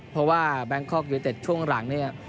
เพราะว่าแบงคกอยู่ตั้งแต่ช่วงหลัง